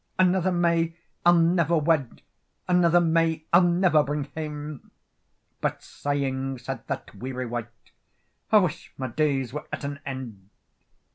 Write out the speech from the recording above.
"Another may I'll never wed, Another may I'll never bring hame." But, sighing, said that weary wight— "I wish my days were at an end!"